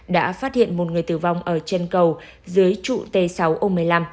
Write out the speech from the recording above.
đã phát hiện một người tử vong ở chân cầu dưới trụ t sáu o một mươi năm